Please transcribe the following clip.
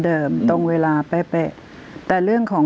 คุณแม่ก็ไม่อยากคิดไปเองหรอก